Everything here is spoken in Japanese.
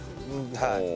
はい。